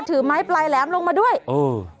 ถือไม้ปลายแหลมลงมาด้วยเออ